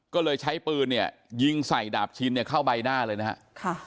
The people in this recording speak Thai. ก็เลยใช้ปืนเนี่ยยิงใส่ดาบชินเนี่ยเข้าใบหน้าเลยนะครับ